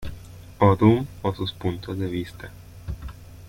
Odum o sus puntos de vista.